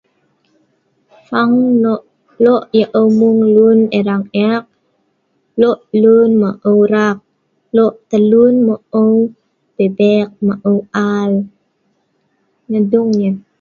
Tam, tam aa parap le' aa anak nok lah goro' goro'. Si' nah tam le' adat anak tam lem rang